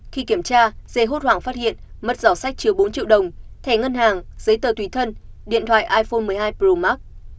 khi kiểm tra dê hốt hoảng phát hiện mất giỏ sách chứa bốn triệu đồng thẻ ngân hàng giấy tờ tùy thân điện thoại iphone một mươi hai pro max